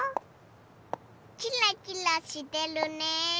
キラキラしてるね。